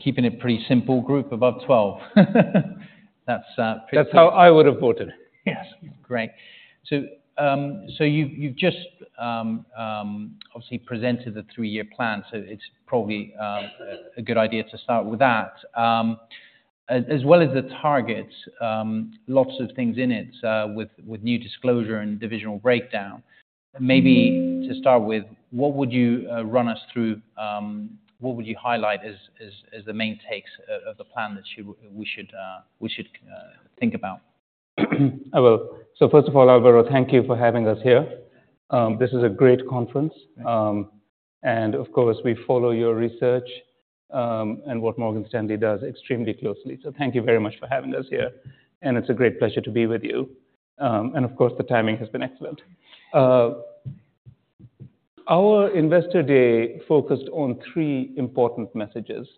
Keeping it pretty simple: group above 12%. That's pretty simple. That's how I would have voted. Yes. Great. So you've just obviously presented the three-year plan, so it's probably a good idea to start with that. As well as the targets, lots of things in it with new disclosure and divisional breakdown. Maybe to start with, what would you run us through? What would you highlight as the main takeaways of the plan that we should think about? Well, so first of all, Alvaro, thank you for having us here. This is a great conference, and of course we follow your research and what Morgan Stanley does extremely closely. So thank you very much for having us here, and it's a great pleasure to be with you. And of course, the timing has been excellent. Our investor day focused on three important messages.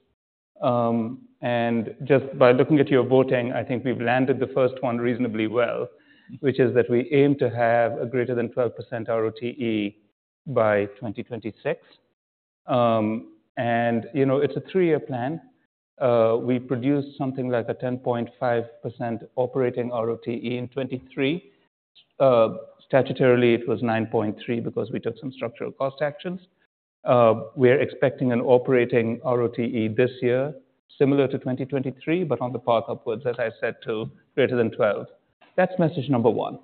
And just by looking at your voting, I think we've landed the first one reasonably well, which is that we aim to have a greater than 12% ROTE by 2026. And it's a three-year plan. We produced something like a 10.5% operating ROTE in 2023. Statutorily, it was 9.3% because we took some structural cost actions. We're expecting an operating ROTE this year similar to 2023, but on the path upwards, as I said, to greater than 12%. That's message number one.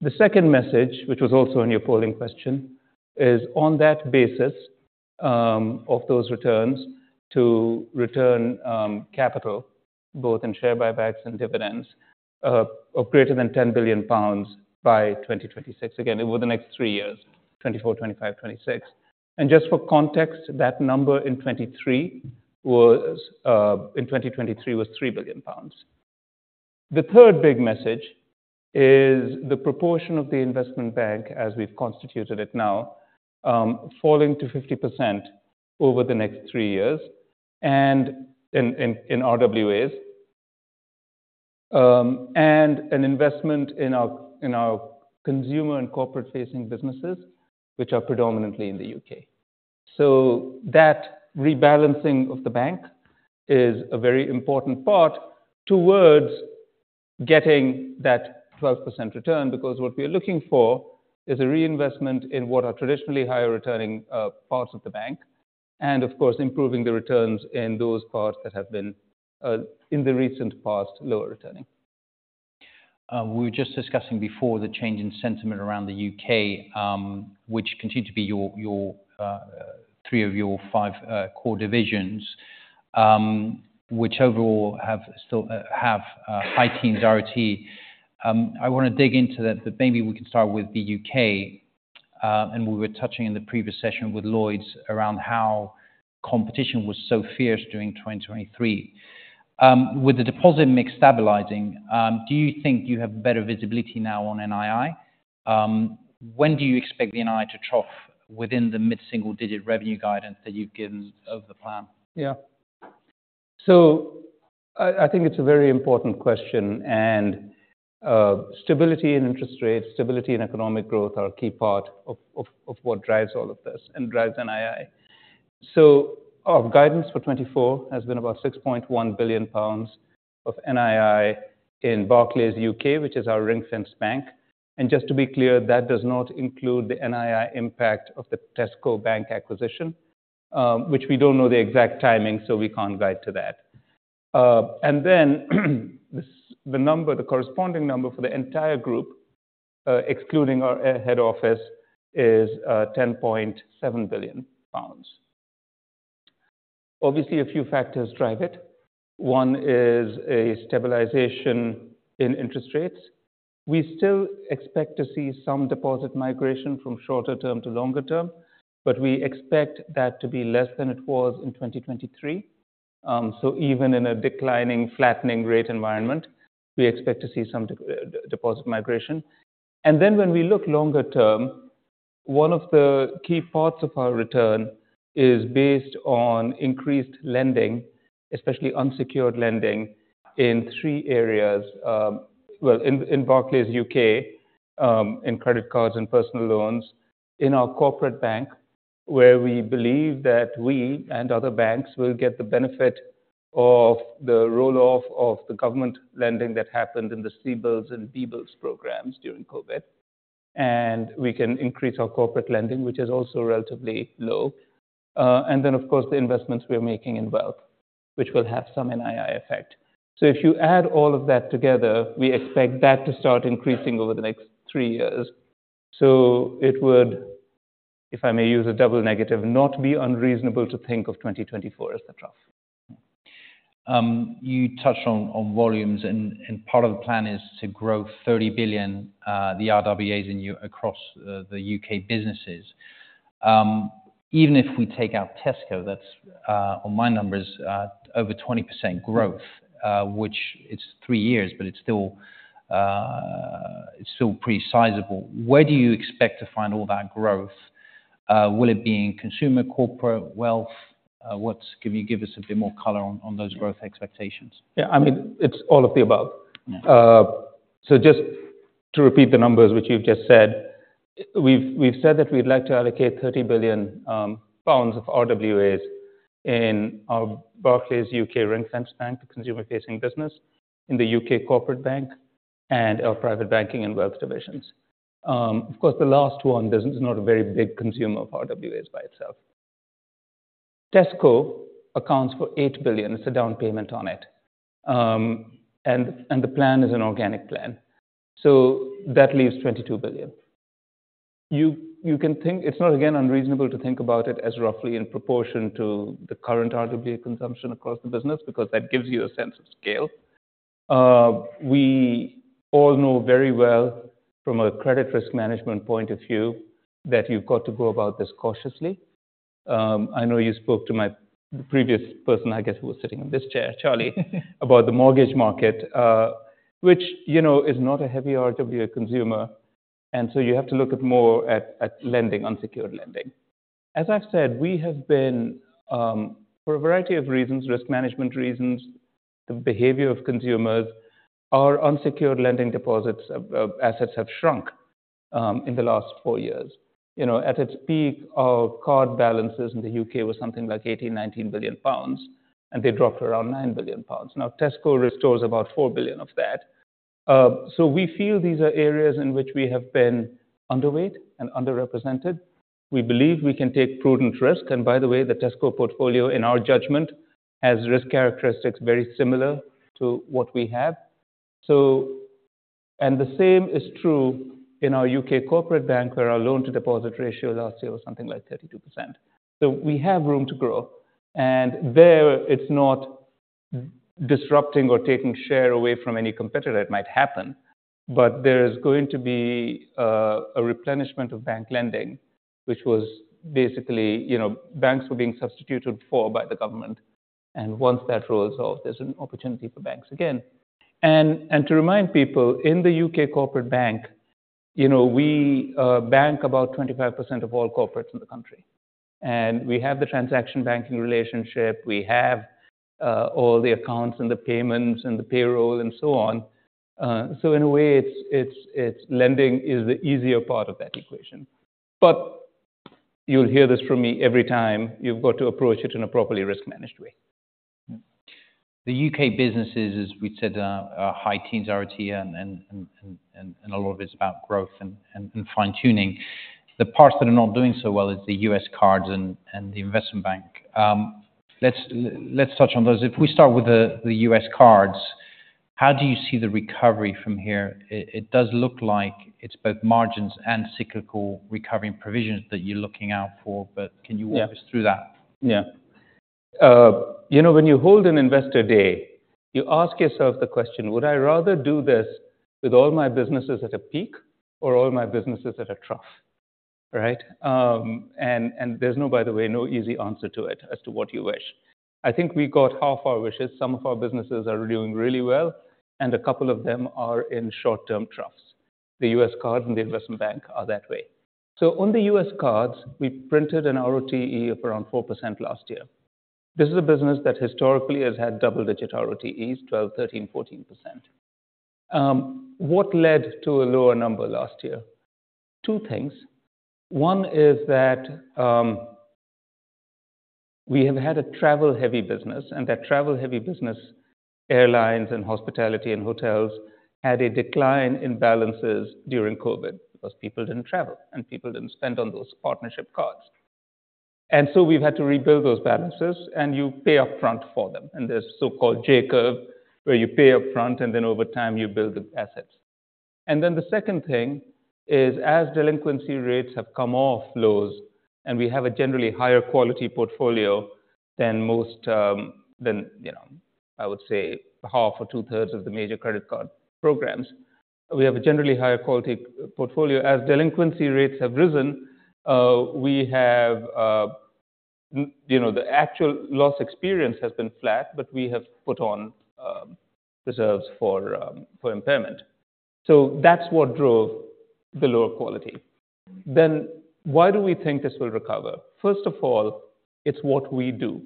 The second message, which was also in your polling question, is on that basis of those returns to return capital, both in share buybacks and dividends, of greater than 10 billion pounds by 2026. Again, over the next three years: 2024, 2025, 2026. Just for context, that number in 2023 was 3 billion pounds. The third big message is the proportion of the investment bank, as we've constituted it now, falling to 50% over the next three years in RWAs, and an investment in our consumer and corporate-facing businesses, which are predominantly in the UK. So that rebalancing of the bank is a very important part towards getting that 12% return because what we are looking for is a reinvestment in what are traditionally higher-returning parts of the bank, and of course improving the returns in those parts that have been, in the recent past, lower-returning. We were just discussing before the change in sentiment around the UK, which continue to be three of your five core divisions, which overall have high teens ROT. I want to dig into that, but maybe we can start with the UK. We were touching in the previous session with Lloyds around how competition was so fierce during 2023. With the deposit mix stabilising, do you think you have better visibility now on NII? When do you expect the NII to trough within the mid-single digit revenue guidance that you've given of the plan? Yeah. So I think it's a very important question. And stability in interest rates, stability in economic growth are a key part of what drives all of this and drives NII. So our guidance for 2024 has been about 6.1 billion pounds of NII in Barclays UK, which is our ring-fenced bank. And just to be clear, that does not include the NII impact of the Tesco Bank acquisition, which we don't know the exact timing, so we can't guide to that. And then the corresponding number for the entire group, excluding our head office, is 10.7 billion pounds. Obviously, a few factors drive it. One is a stabilization in interest rates. We still expect to see some deposit migration from shorter-term to longer-term, but we expect that to be less than it was in 2023. So even in a declining, flattening rate environment, we expect to see some deposit migration. And then when we look longer-term, one of the key parts of our return is based on increased lending, especially unsecured lending, in three areas. Well, in Barclays UK, in credit cards and personal loans, in our corporate bank, where we believe that we and other banks will get the benefit of the roll-off of the government lending that happened in the CBILS and BBLS programs during COVID. And we can increase our corporate lending, which is also relatively low. And then, of course, the investments we are making in wealth, which will have some NII effect. So if you add all of that together, we expect that to start increasing over the next three years. So it would, if I may use a double negative, not be unreasonable to think of 2024 as the trough. You touched on volumes, and part of the plan is to grow 30 billion, the RWAs in your UK businesses. Even if we take out Tesco, that's, on my numbers, over 20% growth, which is three years, but it's still pretty sizable. Where do you expect to find all that growth? Will it be in consumer, corporate, wealth? Can you give us a bit more color on those growth expectations? Yeah. I mean, it's all of the above. So just to repeat the numbers which you've just said, we've said that we'd like to allocate 30 billion pounds of RWAs in our Barclays UK ring-fenced bank, the consumer-facing business, in the UK corporate bank, and our private banking and wealth divisions. Of course, the last one is not a very big consumer of RWAs by itself. Tesco accounts for 8 billion. It's a down payment on it. And the plan is an organic plan. So that leaves 22 billion. It's not, again, unreasonable to think about it as roughly in proportion to the current RWA consumption across the business because that gives you a sense of scale. We all know very well, from a credit risk management point of view, that you've got to go about this cautiously. I know you spoke to the previous person, I guess, who was sitting on this chair, Charlie, about the mortgage market, which is not a heavy RWA consumer. So you have to look more at lending, unsecured lending. As I've said, we have been, for a variety of reasons, risk management reasons, the behavior of consumers, our unsecured lending deposits, assets have shrunk in the last four years. At its peak, our card balances in the UK were something like 18 billion-19 billion pounds, and they dropped to around 9 billion pounds. Now, Tesco restores about 4 billion of that. So we feel these are areas in which we have been underweight and underrepresented. We believe we can take prudent risk. And by the way, the Tesco portfolio, in our judgment, has risk characteristics very similar to what we have. The same is true in our UK corporate bank, where our loan-to-deposit ratio last year was something like 32%. So we have room to grow. There, it's not disrupting or taking share away from any competitor. It might happen. But there is going to be a replenishment of bank lending, which was basically banks were being substituted for by the government. Once that rolls off, there's an opportunity for banks again. To remind people, in the UK corporate bank, we bank about 25% of all corporates in the country. We have the transaction banking relationship. We have all the accounts and the payments and the payroll and so on. In a way, lending is the easier part of that equation. But you'll hear this from me every time: you've got to approach it in a properly risk-managed way. The U.K. businesses, as we'd said, are high teens ROTE, and a lot of it's about growth and fine-tuning. The parts that are not doing so well are the U.S. cards and the investment bank. Let's touch on those. If we start with the U.S. cards, how do you see the recovery from here? It does look like it's both margins and cyclical recovery provisions that you're looking out for, but can you walk us through that? Yeah. When you hold an investor day, you ask yourself the question, "Would I rather do this with all my businesses at a peak or all my businesses at a trough?" Right? And there's, by the way, no easy answer to it as to what you wish. I think we got half our wishes. Some of our businesses are doing really well, and a couple of them are in short-term troughs. The U.S. cards and the investment bank are that way. So on the U.S. cards, we printed an ROTE of around 4% last year. This is a business that historically has had double-digit ROTEs, 12%, 13%, 14%. What led to a lower number last year? Two things. One is that we have had a travel-heavy business, and that travel-heavy business, airlines and hospitality and hotels, had a decline in balances during COVID because people didn't travel, and people didn't spend on those partnership cards. And so we've had to rebuild those balances, and you pay upfront for them. And there's a so-called J-curve, where you pay upfront, and then over time you build the assets. And then the second thing is, as delinquency rates have come off lows, and we have a generally higher-quality portfolio than most, I would say, half or two-thirds of the major credit card programs, we have a generally higher-quality portfolio. As delinquency rates have risen, the actual loss experience has been flat, but we have put on reserves for impairment. So that's what drove the lower quality. Then why do we think this will recover? First of all, it's what we do.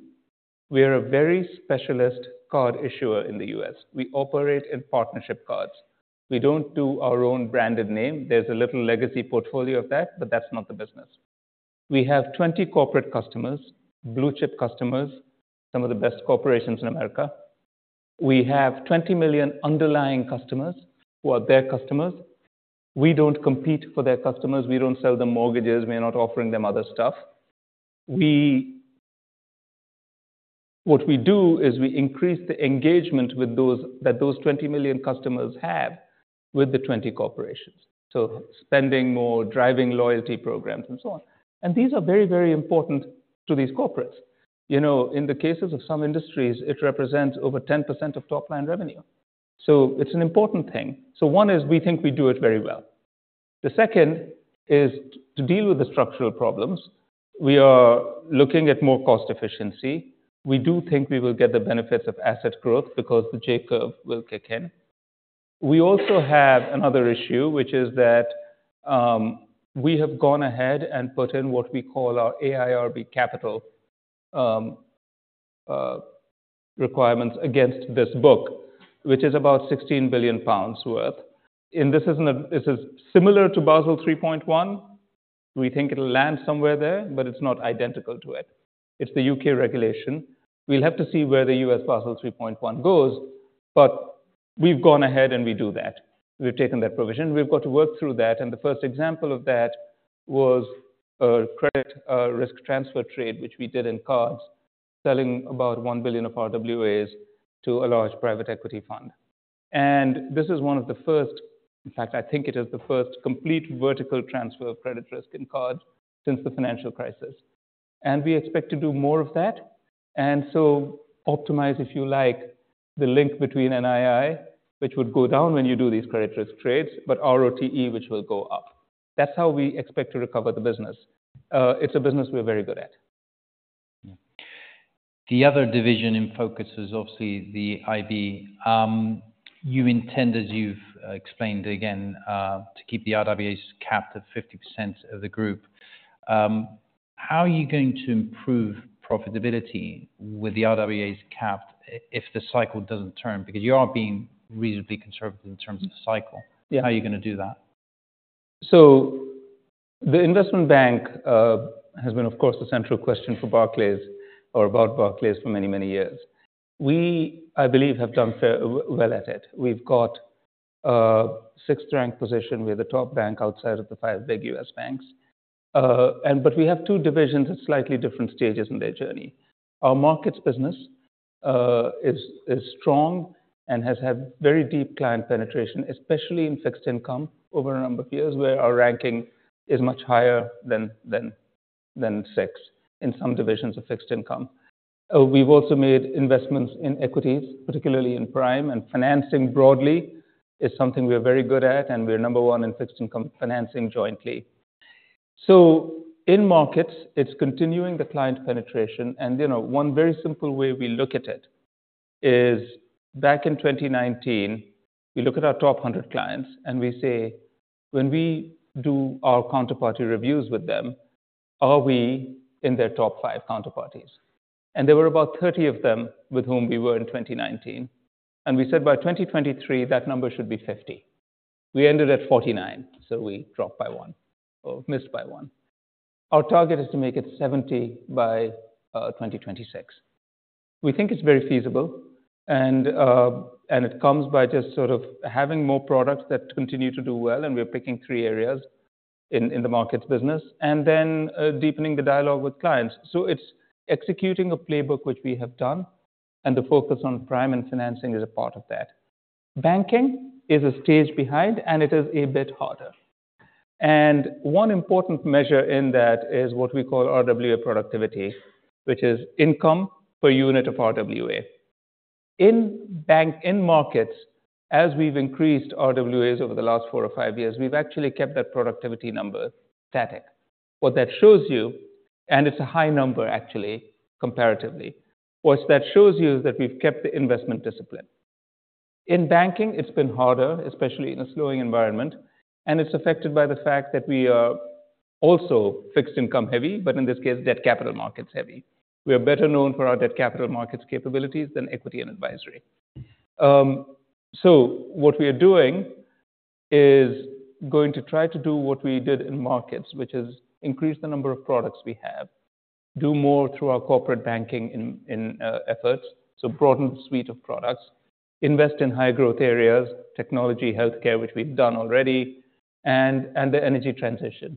We are a very specialist card issuer in the U.S. We operate in partnership cards. We don't do our own branded name. There's a little legacy portfolio of that, but that's not the business. We have 20 corporate customers, blue-chip customers, some of the best corporations in America. We have 20 million underlying customers who are their customers. We don't compete for their customers. We don't sell them mortgages. We are not offering them other stuff. What we do is we increase the engagement that those 20 million customers have with the 20 corporations. So spending more, driving loyalty programs, and so on. And these are very, very important to these corporates. In the cases of some industries, it represents over 10% of top-line revenue. So it's an important thing. So one is we think we do it very well. The second is to deal with the structural problems. We are looking at more cost efficiency. We do think we will get the benefits of asset growth because the J-curve will kick in. We also have another issue, which is that we have gone ahead and put in what we call our AIRB capital requirements against this book, which is about 16 billion pounds worth. This is similar to Basel 3.1. We think it'll land somewhere there, but it's not identical to it. It's the UK regulation. We'll have to see where the US Basel 3.1 goes. But we've gone ahead, and we do that. We've taken that provision. We've got to work through that. The first example of that was a credit risk transfer trade, which we did in cards, selling about 1 billion of RWAs to a large private equity fund. This is one of the first, in fact, I think it is the first complete vertical transfer of credit risk in cards since the financial crisis. We expect to do more of that and so optimize, if you like, the link between NII, which would go down when you do these credit risk trades, but ROTE, which will go up. That's how we expect to recover the business. It's a business we're very good at. The other division in focus is obviously the IB. You intend, as you've explained again, to keep the RWAs capped at 50% of the group. How are you going to improve profitability with the RWAs capped if the cycle doesn't turn? Because you are being reasonably conservative in terms of cycle. How are you going to do that? So the investment bank has been, of course, the central question for Barclays, or about Barclays, for many, many years. We, I believe, have done well at it. We've got a sixth-rank position. We're the top bank outside of the five big U.S. banks. But we have two divisions at slightly different stages in their journey. Our markets business is strong and has had very deep client penetration, especially in fixed income over a number of years, where our ranking is much higher than 6 in some divisions of fixed income. We've also made investments in equities, particularly in Prime. And financing broadly is something we are very good at, and we're number 1 in fixed income financing jointly. So in markets, it's continuing the client penetration. One very simple way we look at it is, back in 2019, we look at our top 100 clients, and we say, when we do our counterparty reviews with them, are we in their top five counterparties? There were about 30 of them with whom we were in 2019. We said, by 2023, that number should be 50. We ended at 49, so we dropped by one or missed by one. Our target is to make it 70 by 2026. We think it's very feasible. It comes by just sort of having more products that continue to do well. We're picking three areas in the markets business and then deepening the dialogue with clients. It's executing a playbook which we have done, and the focus on Prime and financing is a part of that. Banking is a stage behind, and it is a bit harder. One important measure in that is what we call RWA productivity, which is income per unit of RWA. In markets, as we've increased RWAs over the last 4 or 5 years, we've actually kept that productivity number static. What that shows you, and it's a high number, actually, comparatively. What that shows you is that we've kept the investment discipline. In banking, it's been harder, especially in a slowing environment. It's affected by the fact that we are also fixed income heavy, but in this case, debt capital markets heavy. We are better known for our debt capital markets capabilities than equity and advisory. So what we are doing is going to try to do what we did in markets, which is increase the number of products we have, do more through our corporate banking efforts, so broaden the suite of products, invest in high-growth areas, technology, healthcare, which we've done already, and the energy transition.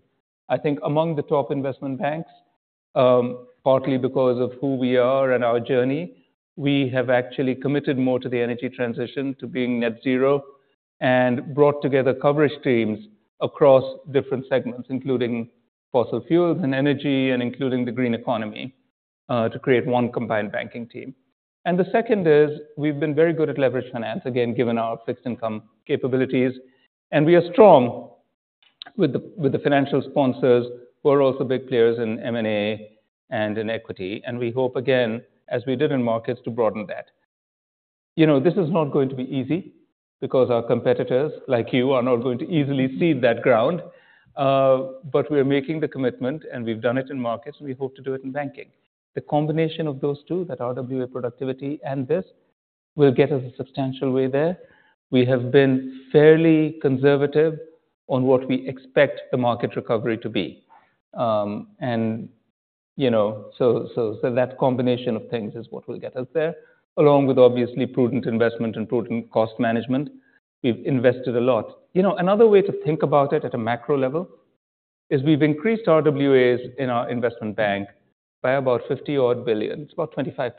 I think among the top investment banks, partly because of who we are and our journey, we have actually committed more to the energy transition, to being net-zero, and brought together coverage teams across different segments, including fossil fuels and energy and including the green economy, to create one combined banking team. And the second is we've been very good at leveraged finance, again, given our fixed income capabilities. And we are strong with the financial sponsors. We're also big players in M&A and in equity. And we hope, again, as we did in markets, to broaden that. This is not going to be easy because our competitors, like you, are not going to easily cede that ground. We are making the commitment, and we've done it in markets, and we hope to do it in banking. The combination of those two, that RWA productivity and this, will get us a substantial way there. We have been fairly conservative on what we expect the market recovery to be. That combination of things is what will get us there, along with obviously prudent investment and prudent cost management. We've invested a lot. Another way to think about it at a macro level is we've increased RWAs in our investment bank by about 50-odd billion. It's about 25%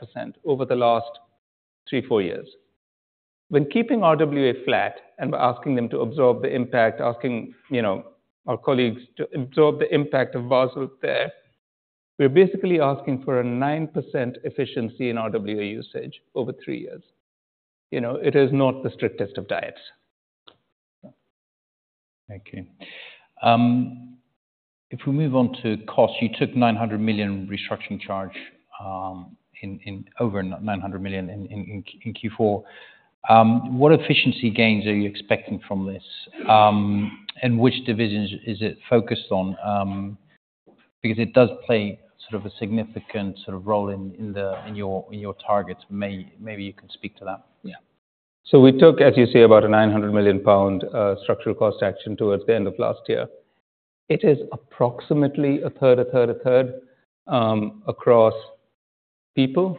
over the last three to four years. When keeping RWA flat and asking them to absorb the impact, asking our colleagues to absorb the impact of Basel there, we're basically asking for a 9% efficiency in RWA usage over three years. It is not the strictest of tides. Thank you. If we move on to costs, you took $900 million restructuring charge over $900 million in Q4. What efficiency gains are you expecting from this? And which divisions is it focused on? Because it does play sort of a significant sort of role in your targets. Maybe you can speak to that? Yeah. So we took, as you say, about 900 million pound structural cost action towards the end of last year. It is approximately a third, a third, a third across people,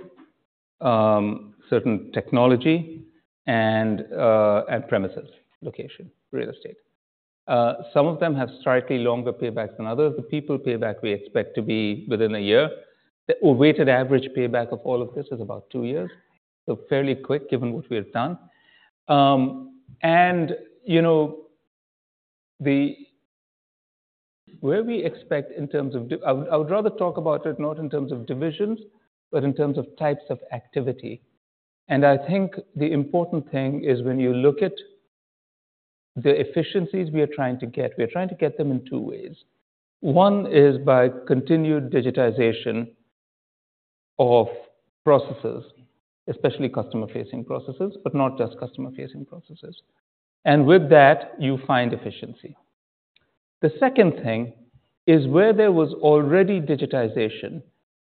certain technology, and premises, location, real estate. Some of them have slightly longer paybacks than others. The people payback we expect to be within a year. The weighted average payback of all of this is about 2 years. So fairly quick, given what we have done. And where we expect in terms of I would rather talk about it not in terms of divisions, but in terms of types of activity. And I think the important thing is when you look at the efficiencies we are trying to get, we are trying to get them in 2 ways. One is by continued digitization of processes, especially customer-facing processes, but not just customer-facing processes. And with that, you find efficiency. The second thing is where there was already digitization,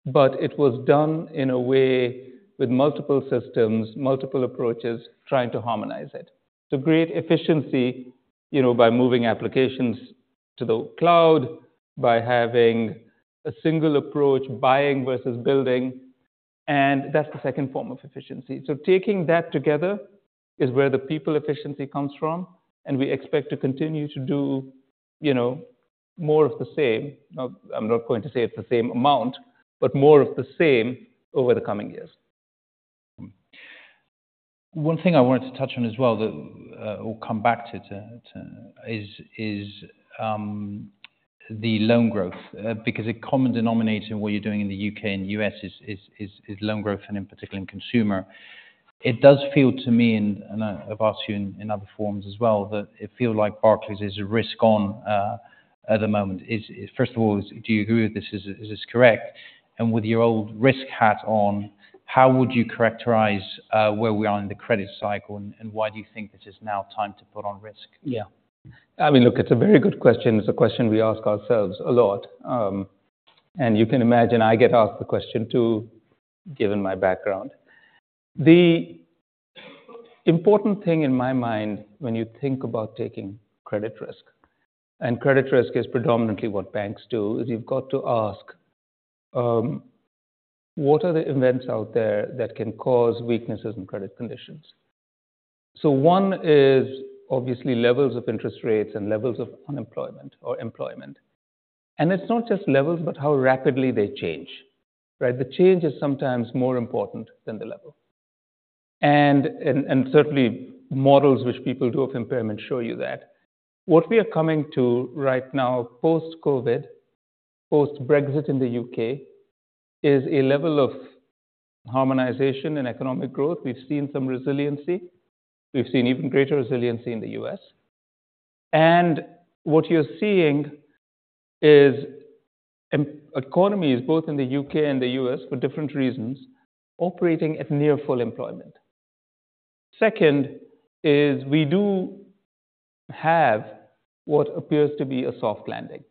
but it was done in a way with multiple systems, multiple approaches, trying to harmonize it. To create efficiency by moving applications to the cloud, by having a single approach, buying versus building. That's the second form of efficiency. Taking that together is where the people efficiency comes from. We expect to continue to do more of the same. I'm not going to say it's the same amount, but more of the same over the coming years. One thing I wanted to touch on as well, or come back to, is the loan growth. Because a common denominator in what you're doing in the U.K. and U.S. is loan growth, and in particular in consumer. It does feel to me, and I've asked you in other forms as well, that it feels like Barclays is a risk on at the moment. First of all, do you agree with this? Is this correct? And with your old risk hat on, how would you characterize where we are in the credit cycle, and why do you think this is now time to put on risk? Yeah. I mean, look, it's a very good question. It's a question we ask ourselves a lot. And you can imagine I get asked the question too, given my background. The important thing in my mind when you think about taking credit risk, and credit risk is predominantly what banks do, is you've got to ask, what are the events out there that can cause weaknesses in credit conditions? So one is obviously levels of interest rates and levels of unemployment or employment. And it's not just levels, but how rapidly they change. The change is sometimes more important than the level. And certainly, models which people do of impairment show you that. What we are coming to right now, post-COVID, post-Brexit in the U.K., is a level of harmonization and economic growth. We've seen some resiliency. We've seen even greater resiliency in the U.S. What you're seeing is economies, both in the U.K. and the U.S., for different reasons, operating at near full employment. Second is we do have what appears to be a soft landing.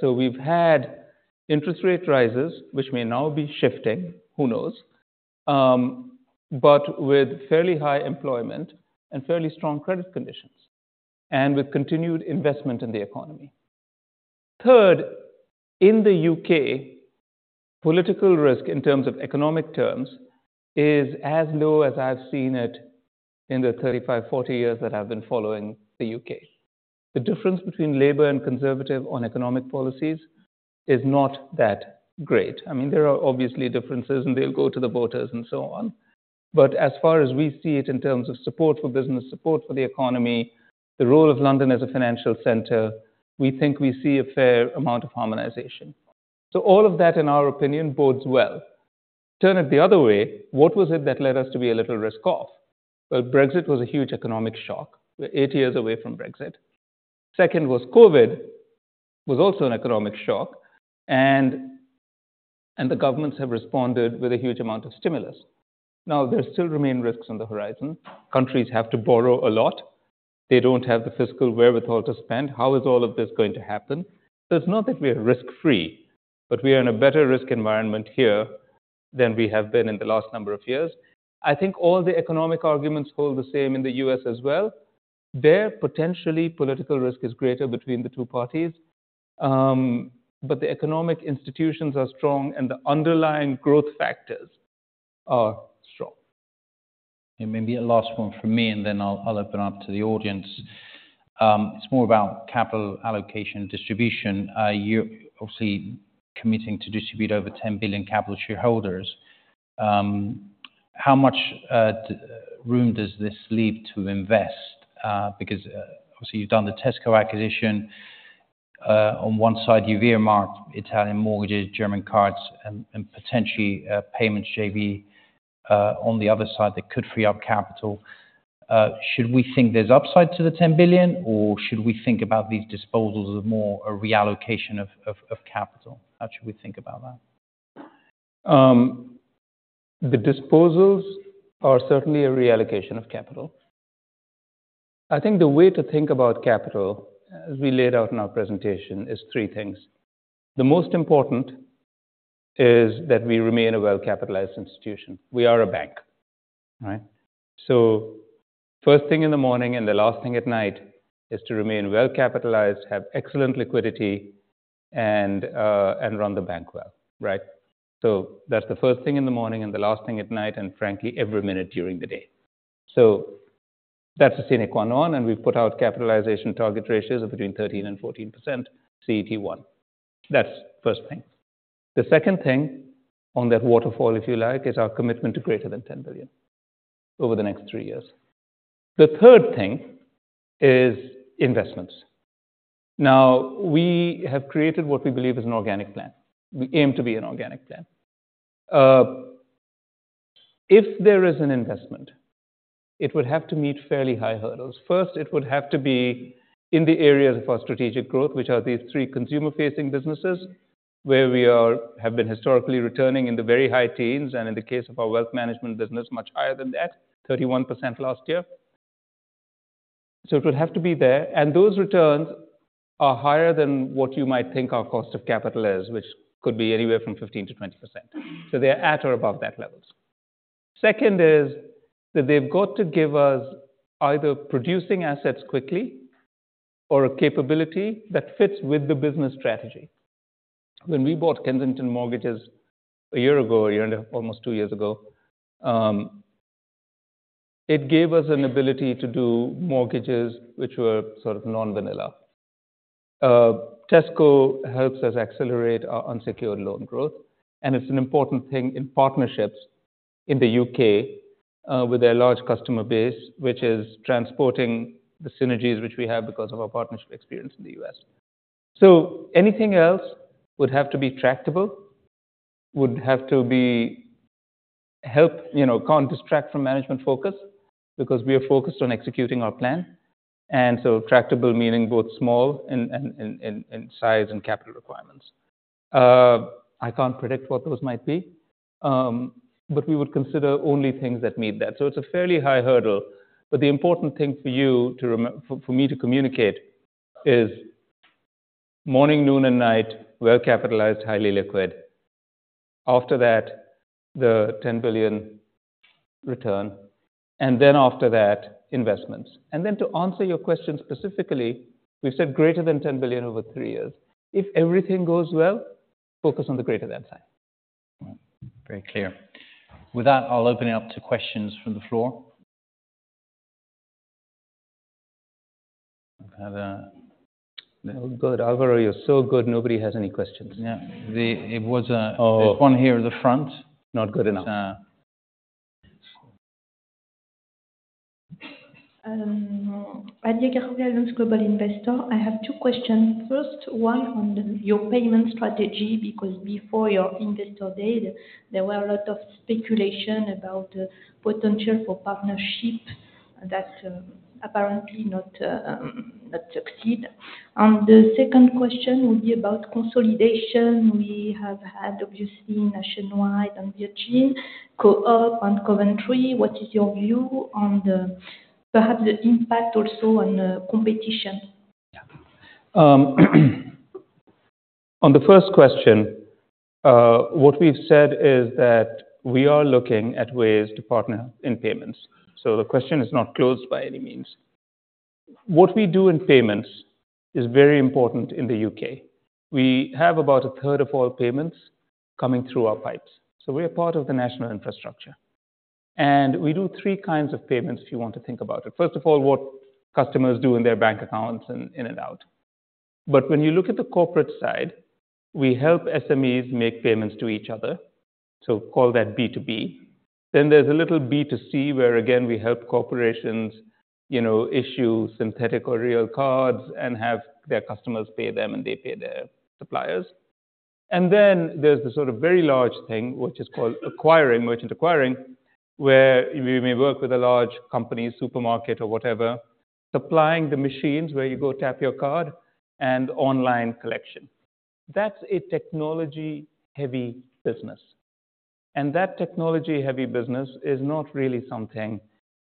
So we've had interest rate rises, which may now be shifting, who knows, but with fairly high employment and fairly strong credit conditions and with continued investment in the economy. Third, in the U.K., political risk, in terms of economic terms, is as low as I've seen it in the 35, 40 years that I've been following the U.K. The difference between Labour and Conservative on economic policies is not that great. I mean, there are obviously differences, and they'll go to the voters and so on. But as far as we see it in terms of support for business, support for the economy, the role of London as a financial centre, we think we see a fair amount of harmonisation. So all of that, in our opinion, bodes well. Turn it the other way, what was it that led us to be a little risk-off? Well, Brexit was a huge economic shock. We're eight years away from Brexit. Second was COVID, was also an economic shock. And the governments have responded with a huge amount of stimulus. Now, there still remain risks on the horizon. Countries have to borrow a lot. They don't have the fiscal wherewithal to spend. How is all of this going to happen? So it's not that we are risk-free, but we are in a better risk environment here than we have been in the last number of years. I think all the economic arguments hold the same in the US as well. There, potentially, political risk is greater between the two parties. But the economic institutions are strong, and the underlying growth factors are strong. Maybe a last one from me, and then I'll open up to the audience. It's more about capital allocation distribution. You're obviously committing to distribute over $10 billion capital to shareholders. How much room does this leave to invest? Because obviously, you've done the Tesco acquisition. On one side, you've earmarked Italian mortgages, German cards, and potentially payments JV. On the other side, that could free up capital. Should we think there's upside to the $10 billion, or should we think about these disposals as more a reallocation of capital? How should we think about that? The disposals are certainly a reallocation of capital. I think the way to think about capital, as we laid out in our presentation, is three things. The most important is that we remain a well-capitalized institution. We are a bank. So first thing in the morning and the last thing at night is to remain well-capitalized, have excellent liquidity, and run the bank well. So that's the first thing in the morning and the last thing at night, and frankly, every minute during the day. So that's the sine qua non. And we've put out capitalization target ratios of between 13%-14% CET1. That's first thing. The second thing, on that waterfall, if you like, is our commitment to greater than $10 billion over the next three years. The third thing is investments. Now, we have created what we believe is an organic plan. We aim to be an organic plan. If there is an investment, it would have to meet fairly high hurdles. First, it would have to be in the areas of our strategic growth, which are these three consumer-facing businesses, where we have been historically returning in the very high teens, and in the case of our wealth management business, much higher than that, 31% last year. So it would have to be there. And those returns are higher than what you might think our cost of capital is, which could be anywhere from 15%-20%. So they are at or above that level. Second is that they've got to give us either producing assets quickly or a capability that fits with the business strategy. When we bought Kensington Mortgages a year ago, a year and a half, almost two years ago, it gave us an ability to do mortgages which were sort of non-vanilla. Tesco helps us accelerate our unsecured loan growth. And it's an important thing in partnerships in the UK with their large customer base, which is transporting the synergies which we have because of our partnership experience in the US. So anything else would have to be tractable, would have to help, can't distract from management focus because we are focused on executing our plan. And so tractable, meaning both small in size and capital requirements. I can't predict what those might be. But we would consider only things that meet that. So it's a fairly high hurdle. But the important thing for you, for me to communicate, is morning, noon, and night, well-capitalised, highly liquid. After that, the $10 billion return. And then after that, investments. And then to answer your question specifically, we've said greater than $10 billion over three years. If everything goes well, focus on the greater-than sign. Very clear. With that, I'll open it up to questions from the floor. Good. Alvaro, you're so good. Nobody has any questions. Yeah. There's one here at the front. Not good enough. [inaudible] Global Investor. I have two questions. First, one on your payment strategy, because before your investor date, there were a lot of speculation about the potential for partnership that apparently not succeed. And the second question would be about consolidation. We have had, obviously, Nationwide and Virgin, Co-op and Coventry. What is your view on perhaps the impact also on competition? Yeah. On the first question, what we've said is that we are looking at ways to partner in payments. So the question is not closed by any means. What we do in payments is very important in the UK. We have about a third of all payments coming through our pipes. So we are part of the national infrastructure. And we do three kinds of payments, if you want to think about it. First of all, what customers do in their bank accounts in and out. But when you look at the corporate side, we help SMEs make payments to each other. So call that B2B. Then there's a little B2C where, again, we help corporations issue synthetic or real cards and have their customers pay them, and they pay their suppliers. And then there's the sort of very large thing, which is called acquiring, merchant acquiring, where we may work with a large company, supermarket, or whatever, supplying the machines where you go tap your card, and online collection. That's a technology-heavy business. And that technology-heavy business is not really something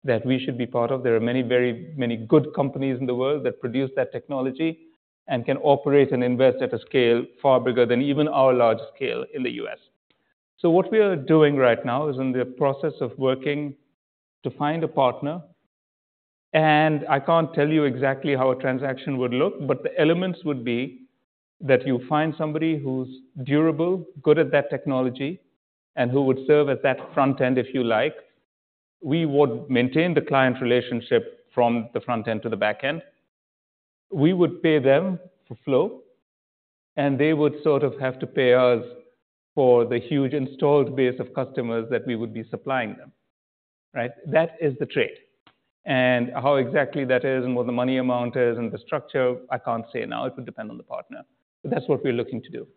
that we should be part of. There are many, very many good companies in the world that produce that technology and can operate and invest at a scale far bigger than even our large scale in the U.S. So what we are doing right now is in the process of working to find a partner. And I can't tell you exactly how a transaction would look, but the elements would be that you find somebody who's durable, good at that technology, and who would serve as that front end, if you like. We would maintain the client relationship from the front end to the back end. We would pay them for flow. And they would sort of have to pay us for the huge installed base of customers that we would be supplying them. That is the trade. And how exactly that is and what the money amount is and the structure, I can't say now. It would depend on the partner. But that's what we're looking to do.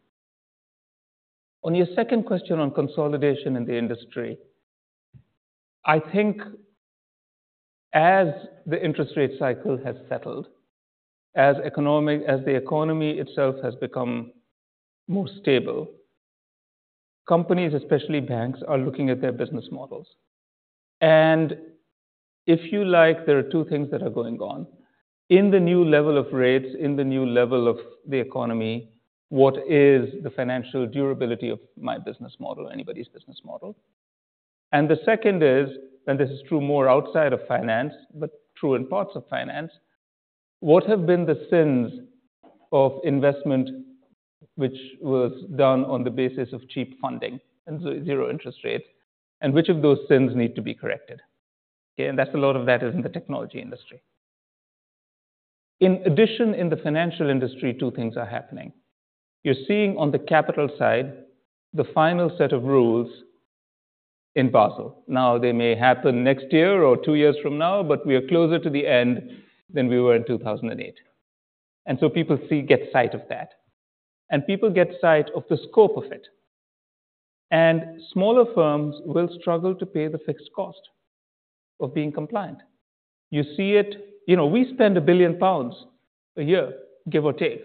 On your second question on consolidation in the industry, I think as the interest rate cycle has settled, as the economy itself has become more stable, companies, especially banks, are looking at their business models. And if you like, there are two things that are going on. In the new level of rates, in the new level of the economy, what is the financial durability of my business model, anybody's business model? And the second is, and this is true more outside of finance, but true in parts of finance, what have been the sins of investment which was done on the basis of cheap funding and zero interest rates? And which of those sins need to be corrected? And that's a lot of that is in the technology industry. In addition, in the financial industry, two things are happening. You're seeing on the capital side the final set of rules in Basel. Now, they may happen next year or two years from now, but we are closer to the end than we were in 2008. And so people get sight of that. And people get sight of the scope of it. And smaller firms will struggle to pay the fixed cost of being compliant. You see it. We spend 1 billion pounds a year, give or take,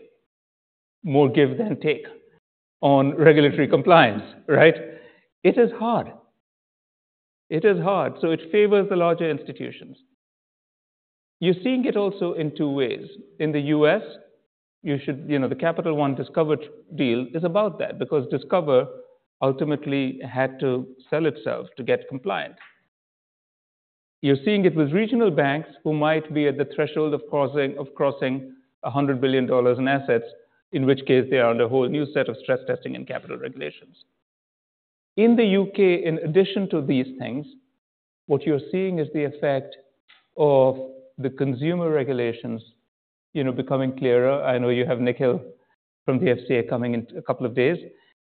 more give than take, on regulatory compliance. It is hard. It is hard. So it favors the larger institutions. You're seeing it also in two ways. In the U.S., you should, the Capital One Discover deal is about that because Discover ultimately had to sell itself to get compliant. You're seeing it with regional banks who might be at the threshold of crossing $100 billion in assets, in which case they are under a whole new set of stress testing and capital regulations. In the U.K., in addition to these things, what you're seeing is the effect of the consumer regulations becoming clearer. I know you have Nikhil from the FCA coming in a couple of days.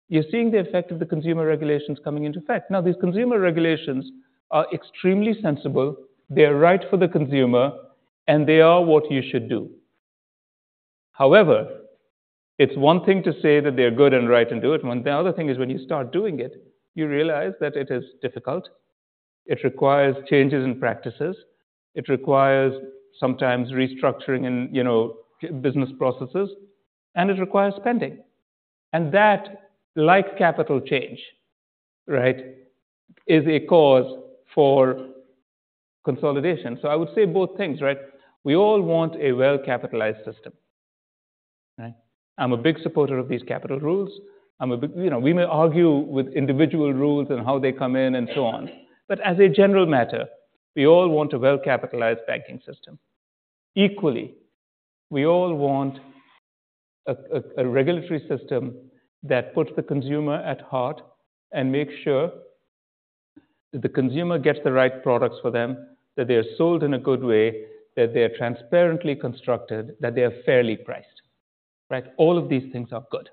You're seeing the effect of the consumer regulations coming into effect. Now, these consumer regulations are extremely sensible. They are right for the consumer, and they are what you should do. However, it's one thing to say that they are good and right and do it. The other thing is when you start doing it, you realize that it is difficult. It requires changes in practices. It requires sometimes restructuring in business processes. And it requires spending. And that, like capital change, is a cause for consolidation. So I would say both things. We all want a well-capitalized system. I'm a big supporter of these capital rules. We may argue with individual rules and how they come in and so on. But as a general matter, we all want a well-capitalized banking system. Equally, we all want a regulatory system that puts the consumer at heart and makes sure that the consumer gets the right products for them, that they are sold in a good way, that they are transparently constructed, that they are fairly priced. All of these things are good.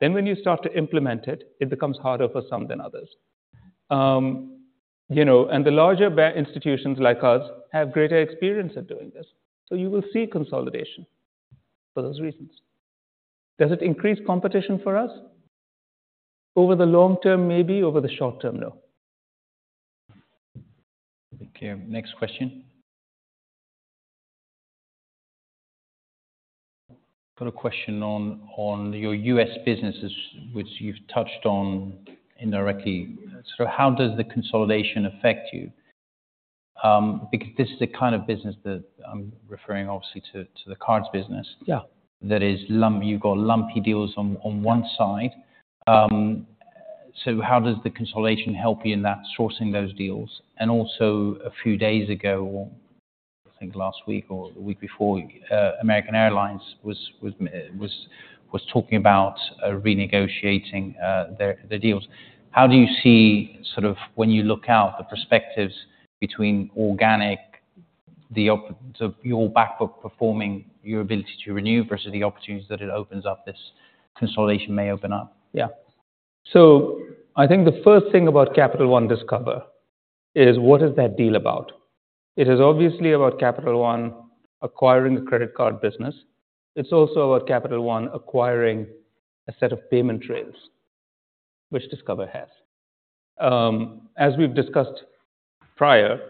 Then when you start to implement it, it becomes harder for some than others. And the larger institutions like us have greater experience at doing this. So you will see consolidation for those reasons. Does it increase competition for us? Over the long term, maybe. Over the short term, no. Thank you. Next question. Got a question on your U.S. businesses, which you've touched on indirectly. Sort of, how does the consolidation affect you? Because this is the kind of business that I'm referring, obviously, to the cards business. You've got lumpy deals on one side. So how does the consolidation help you in that, sourcing those deals? And also, a few days ago, I think last week or the week before, American Airlines was talking about renegotiating their deals. How do you see, sort of when you look out, the perspectives between organic, your backup performing, your ability to renew versus the opportunities that it opens up, this consolidation may open up? Yeah. So I think the first thing about Capital One Discover is what is that deal about? It is obviously about Capital One acquiring a credit card business. It's also about Capital One acquiring a set of payment trails, which Discover has. As we've discussed prior,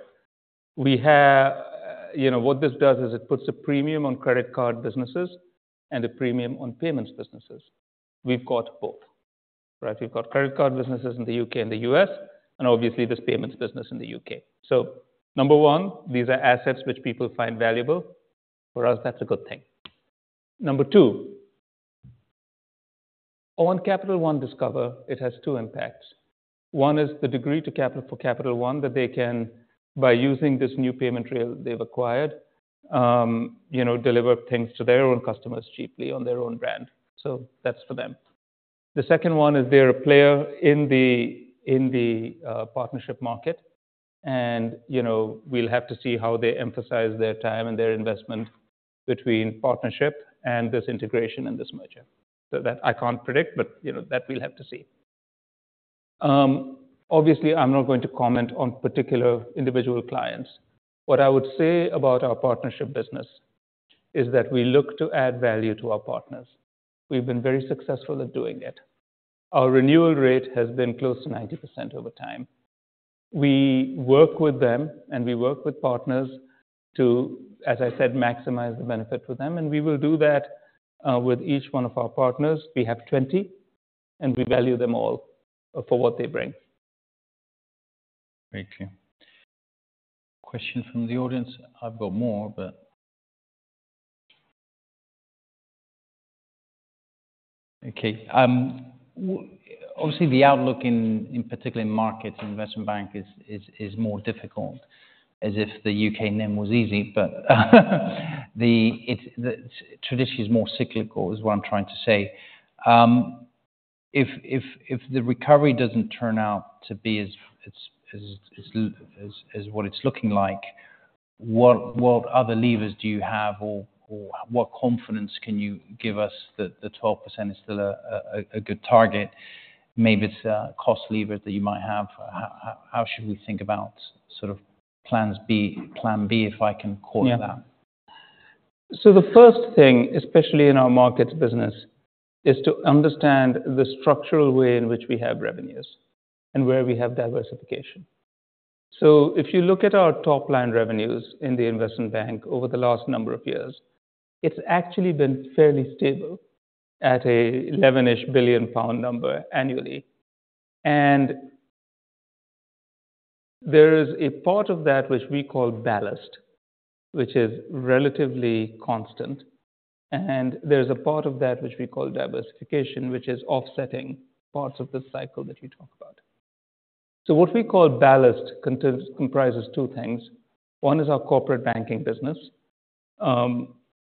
what this does is it puts a premium on credit card businesses and a premium on payments businesses. We've got both. We've got credit card businesses in the U.K. and the U.S., and obviously this payments business in the U.K. So number one, these are assets which people find valuable. For us, that's a good thing. Number two, on Capital One Discover, it has two impacts. One is the degree to capital for Capital One that they can, by using this new payment trail they've acquired, deliver things to their own customers cheaply on their own brand. So that's for them. The second one is they're a player in the partnership market. We'll have to see how they emphasize their time and their investment between partnership and this integration and this merger. That I can't predict, but that we'll have to see. Obviously, I'm not going to comment on particular individual clients. What I would say about our partnership business is that we look to add value to our partners. We've been very successful at doing it. Our renewal rate has been close to 90% over time. We work with them, and we work with partners to, as I said, maximize the benefit with them. We will do that with each one of our partners. We have 20, and we value them all for what they bring. Thank you. Question from the audience. I've got more, but. Okay. Obviously, the outlook in particular in markets, in investment bank, is more difficult, as if the UK NIM was easy. But traditionally is more cyclical, is what I'm trying to say. If the recovery doesn't turn out to be as what it's looking like, what other levers do you have? Or what confidence can you give us that the 12% is still a good target? Maybe it's cost levers that you might have. How should we think about sort of plan B, if I can call it that? So the first thing, especially in our markets business, is to understand the structural way in which we have revenues and where we have diversification. So if you look at our top line revenues in the investment bank over the last number of years, it's actually been fairly stable at 11-ish billion pound annually. And there is a part of that which we call ballast, which is relatively constant. And there is a part of that which we call diversification, which is offsetting parts of the cycle that you talk about. So what we call ballast comprises two things. One is our corporate banking business,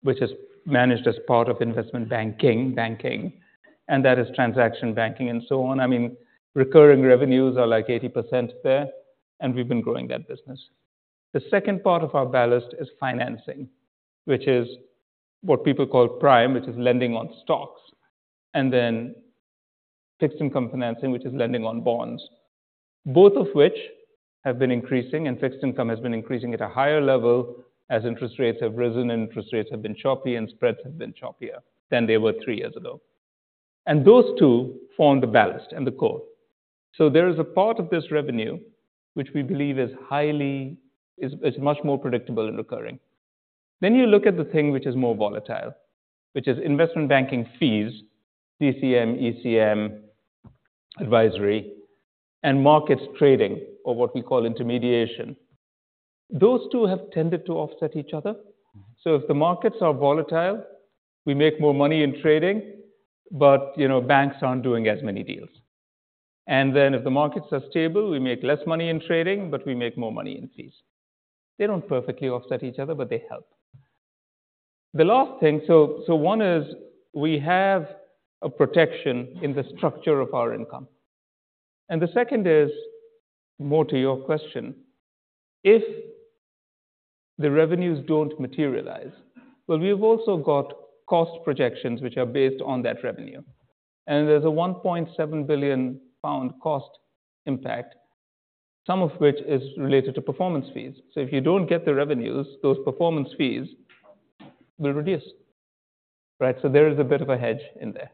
which is managed as part of investment banking, banking, and that is transaction banking and so on. I mean, recurring revenues are like 80% there, and we've been growing that business. The second part of our ballast is financing, which is what people call prime, which is lending on stocks, and then fixed income financing, which is lending on bonds. Both of which have been increasing, and fixed income has been increasing at a higher level as interest rates have risen and interest rates have been choppy and spreads have been choppier than they were three years ago. Those two form the ballast and the core. So there is a part of this revenue which we believe is highly, is much more predictable and recurring. Then you look at the thing which is more volatile, which is investment banking fees, DCM, ECM, advisory, and markets trading, or what we call intermediation. Those two have tended to offset each other. So if the markets are volatile, we make more money in trading, but banks aren't doing as many deals. Then, if the markets are stable, we make less money in trading, but we make more money in fees. They don't perfectly offset each other, but they help. The last thing, so one is we have a protection in the structure of our income. The second is, more to your question, if the revenues don't materialize, well, we have also got cost projections which are based on that revenue. There's a 1.7 billion pound cost impact, some of which is related to performance fees. So if you don't get the revenues, those performance fees will reduce. So there is a bit of a hedge in there.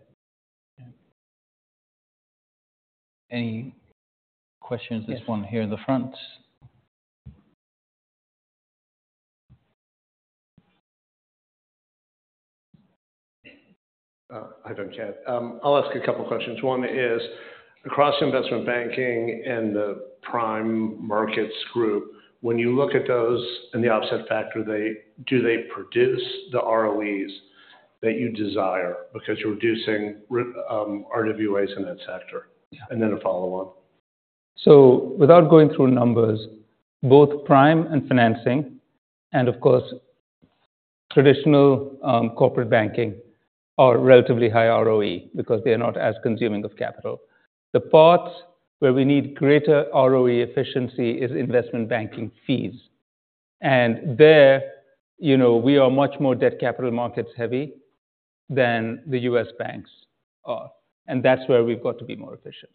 Any questions? This one here in the front. I don't care. I'll ask a couple of questions. One is across investment banking and the prime markets group, when you look at those and the offset factor, do they produce the ROEs that you desire because you're reducing RWAs in that sector? And then a follow-on. So without going through numbers, both prime and financing, and of course traditional corporate banking are relatively high ROE because they are not as consuming of capital. The parts where we need greater ROE efficiency is investment banking fees. And there, we are much more debt capital markets heavy than the U.S. banks are. And that's where we've got to be more efficient.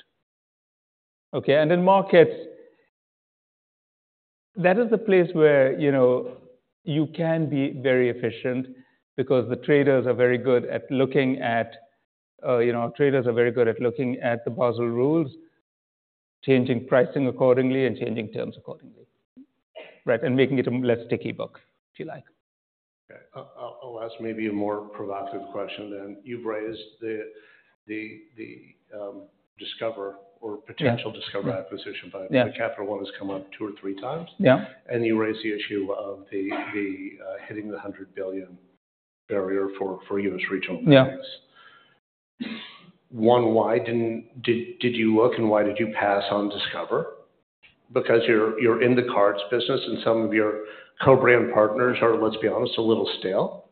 And in markets, that is the place where you can be very efficient because the traders are very good at looking at the Basel rules, changing pricing accordingly and changing terms accordingly, and making it a less sticky book, if you like. Okay. I'll ask maybe a more provocative question then. You've raised the Discover or potential Discover acquisition by Capital One has come up two or three times. And you raise the issue of hitting the $100 billion barrier for U.S. regional banks. One, why did you look and why did you pass on Discover? Because you're in the cards business and some of your co-brand partners are, let's be honest, a little stale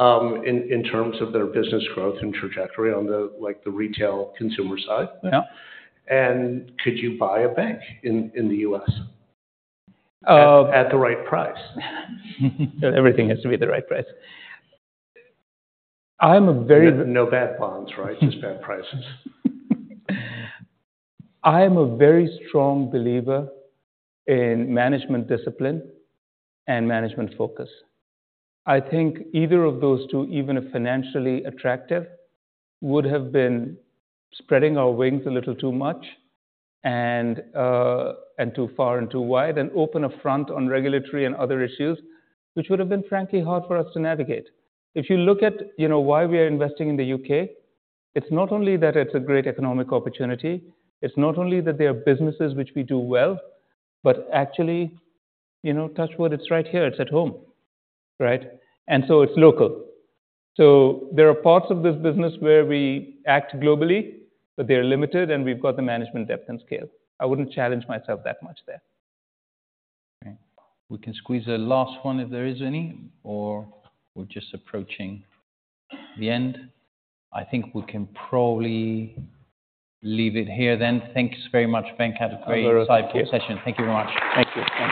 in terms of their business growth and trajectory on the retail consumer side. And could you buy a bank in the U.S. at the right price? Everything has to be the right price. I'm a very- No bad bonds, right? Just bad prices. I am a very strong believer in management discipline and management focus. I think either of those two, even if financially attractive, would have been spreading our wings a little too much and too far and too wide and open a front on regulatory and other issues, which would have been frankly hard for us to navigate. If you look at why we are investing in the U.K., it's not only that it's a great economic opportunity. It's not only that there are businesses which we do well, but actually, touch wood, it's right here. It's at home. And so it's local. So there are parts of this business where we act globally, but they are limited and we've got the management depth and scale. I wouldn't challenge myself that much there. We can squeeze a last one if there is any, or we're just approaching the end. I think we can probably leave it here then. Thanks very much, Venkat. Had a great insightful session. Thank you very much. Thank you.